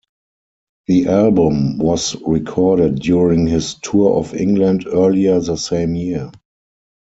The album was recorded during his tour of England earlier the same year.